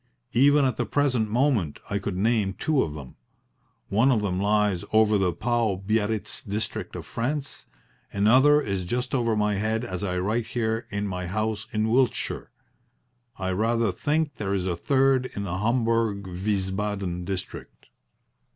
Even at the present moment I could name two of them. One of them lies over the Pau Biarritz district of France. Another is just over my head as I write here in my house in Wiltshire. I rather think there is a third in the Homburg Wiesbaden district.